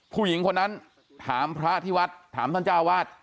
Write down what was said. ผู้หญิงคนนั้นถามพระที่วัดถามท่านเจ้าวาด